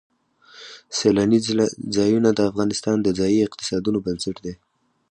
سیلانی ځایونه د افغانستان د ځایي اقتصادونو بنسټ دی.